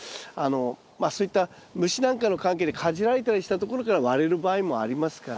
まあそういった虫なんかの関係でかじられたりしたところから割れる場合もありますから。